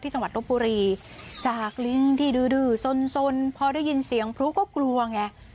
ที่สังวัติโปรปุรีจากลิ่งที่ดื้อสนพอได้ยินเสียงพรุกก็กลัวไง